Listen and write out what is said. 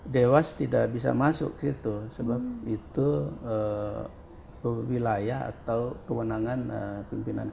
dewas tidak bisa masuk ke situ sebab itu wilayah atau kewenangan pimpinan kpk